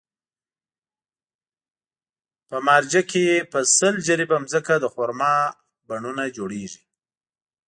په مارجې کې په سل جریبه ځمکه د خرما پڼونه جوړېږي.